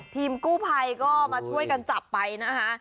ทีมกู้ภัยก็มาช่วยกันจับไปนะคะ